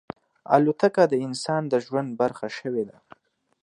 الوتکه د انسان د ژوند برخه شوې ده.